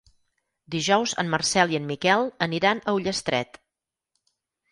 Dijous en Marcel i en Miquel aniran a Ullastret.